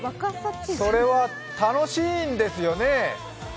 それは楽しいんですよね？